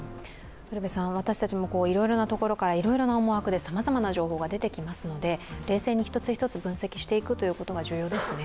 私たちもいろいろなところからいろいろな思惑でさまざまな情報が出てきますので冷静に一つ一つ分析していくということが重要ですね。